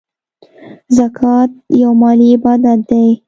زکات یو مالی عبادت دی .